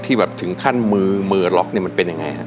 ที่แบบถึงขั้นมือมือล็อกมันเป็นยังไงครับ